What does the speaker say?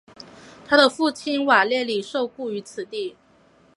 他的父亲瓦列里受雇于此地。